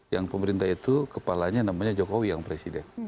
yang pemerintah itu kepalanya namanya jokowi yang presiden